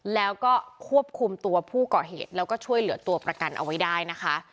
แล้วก็ควบคุมตัวผู้ก่อเหตุแล้วก็ช่วยเหลือตัวประกันเอาไว้ได้นะคะ